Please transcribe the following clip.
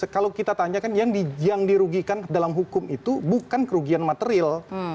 kalau kita tanyakan yang dirugikan dalam hukum itu bukan kerugian material